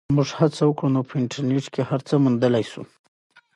که موږ هڅه وکړو نو په انټرنیټ کې هر څه موندلی سو.